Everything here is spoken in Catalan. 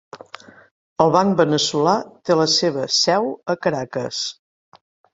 El banc veneçolà té la seva seu a Caracas.